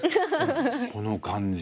この感じ。